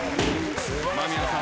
間宮さん